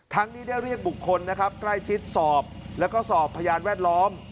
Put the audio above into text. นี้ได้เรียกบุคคลนะครับใกล้ชิดสอบแล้วก็สอบพยานแวดล้อม